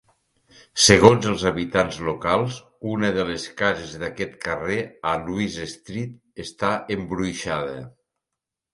Segons els habitants locals, una de les cases d'aquest carrer, a Louis Street, està "embruixada".